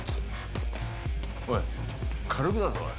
おい軽くだぞおい。